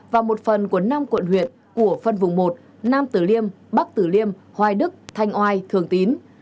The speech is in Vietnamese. và một phần của năm quận huyện của phân vùng một nam tử liêm bắc tử liêm hoài đức thanh oai thường tín